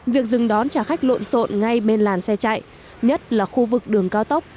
việc dừng đón trả khách lộn xộn ngay bên làn xe chạy nhất là khu vực đường cao tốc